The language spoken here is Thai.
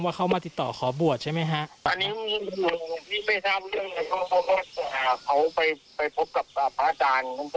ว่าเขามาติดต่อขอบวชใช่ไหมฮะ